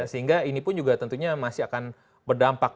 sehingga ini pun juga tentunya masih akan berdampak